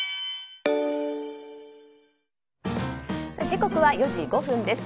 時刻は４時５分です。